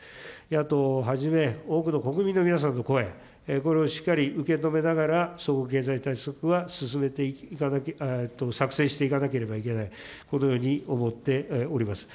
野党をはじめ、多くの国民の皆さんの声、これをしっかり受け止めながら、総合経済対策は作成していかなければいけない、このように思っております。